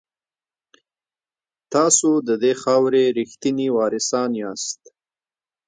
تاسو د دې خاورې ریښتیني وارثان یاست.